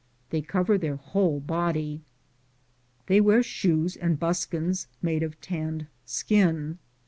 They cover their whole body. They wear shoes and buskins made of tanned skin.